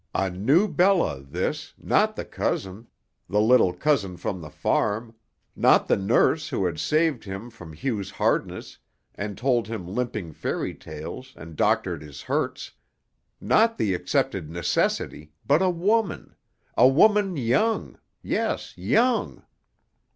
A new Bella, this, not the cousin, the little cousin from the farm; not the nurse who had saved him from Hugh's hardness and told him limping fairy tales and doctored his hurts; not the accepted necessity, but a woman a woman young, yes, young.